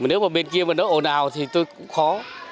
nếu mà bên kia nó ồn ào thì tôi cũng khó